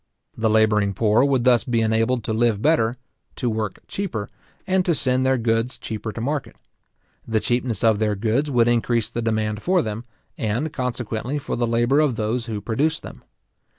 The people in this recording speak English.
The labouring poor would thus be enabled to live better, to work cheaper, and to send their goods cheaper to market. The cheapness of their goods would increase the demand for them, and consequently for the labour of those who produced them.